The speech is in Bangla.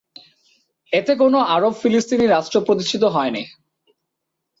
এতে কোনো আরব ফিলিস্তিনি রাষ্ট্র প্রতিষ্ঠিত হয়নি।